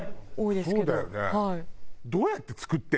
そうだよね。